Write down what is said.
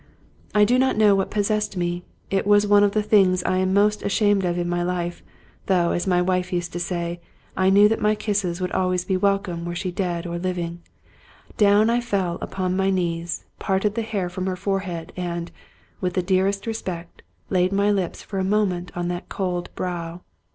I do not know what possessed me; it was one of the things I am most ashamed of in my life, though, as my wife used to say, I knew that my kisses would be always welcome were she dead or living; down I fell again upon my knees, parted the hair from her forehead, and, with the dearest respect, laid my lips for a moment on that cold brow.